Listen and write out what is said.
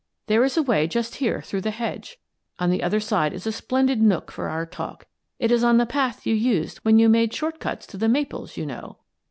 There is a way just here through the hedge. On the other side is a splendid nook for our talk. It is on the path you used when you made short cuts to 1 The Maples/ you know."